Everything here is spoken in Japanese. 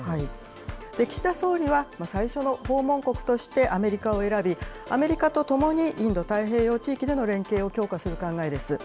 岸田総理は、最初の訪問国としてアメリカを選び、アメリカとともに、インド太平洋地域での連携を強化する考えです。